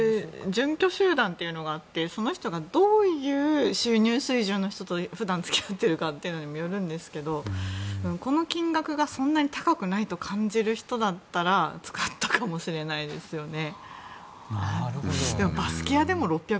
準拠集団というのがあってその人がどういう収入水準の人と普段付き合っているかによるんですけどこの金額が、そんなに高くないと感じる人なら使ったかもしれないですよね。